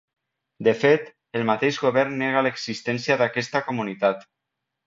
De fet, el mateix govern nega l’existència d’aquesta comunitat.